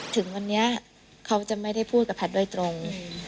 ถึงวันนี้เขาจะไม่ได้พูดกับแพทย์โดยตรง